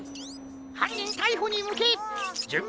はんにんたいほにむけじゅんび